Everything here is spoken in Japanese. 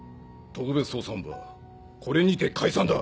特別捜査本部はこれにて解散だ。